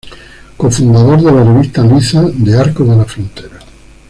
Cofundador de la revista "Liza", de Arcos de la Frontera.